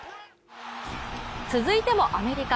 続いてもアメリカ。